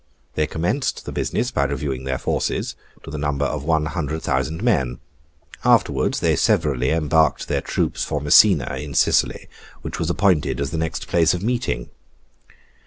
They commenced the business by reviewing their forces, to the number of one hundred thousand men. Afterwards, they severally embarked their troops for Messina, in Sicily, which was appointed as the next place of meeting.